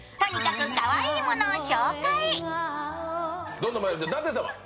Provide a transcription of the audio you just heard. どんどんまいりましょう、舘様。